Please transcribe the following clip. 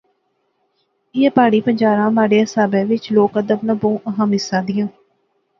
ایہہ پہاڑی بنجاراں مہاڑے حسابے وچ لوک ادب ناں بہوں اہم حصہ دیاں